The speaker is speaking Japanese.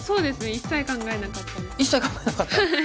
一切考えなかった。